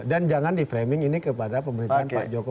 dan jangan di framing ini kepada pemerintahan pak joko widodo